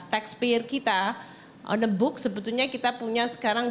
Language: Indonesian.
tax payer kita on the book sebetulnya kita punya sekarang dua puluh juta